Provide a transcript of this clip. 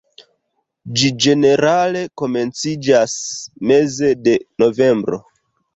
Ĝi ĝenerale komenciĝas meze de novembro.